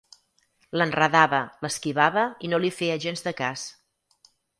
L'enredava, l'esquivava i no li feia gens de cas.